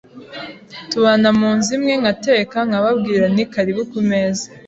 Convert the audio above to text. tubana mu nzu imwe, nkateka nkababwira nti karibu ku meza